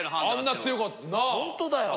あんな強かったのにな。